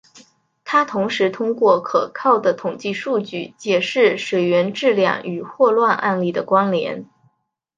他同时通过可靠的统计数据解释水源质量与霍乱案例的关联。